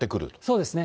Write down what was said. そうですね。